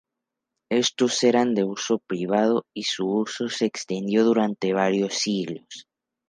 Estos eran de uso privado y su uso se extendió durante varios siglos.